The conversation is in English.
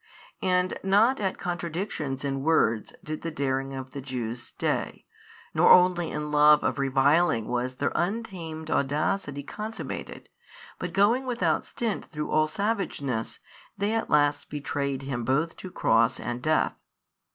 And not at contradictions in words did the daring of the Jews stay, nor only in love of reviling was their untamed audacity consummated, but going without stint through all savageness, they at last betrayed Him both to Cross and Death.